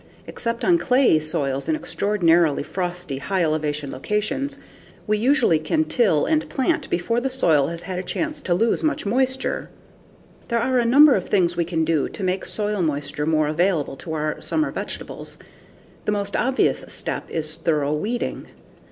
Except on clayey soils in extraordinarily frosty, high elevation locations, we usually can till and plant before the soil has had a chance to lose much moisture. There are a number of things we can do to make soil moisture more available to our summer vegetables. The most obvious step is thorough weeding.